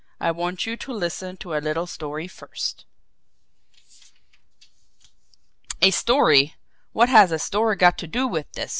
"I want you to listen to a little story first." "A story! What has a story got to do with this?"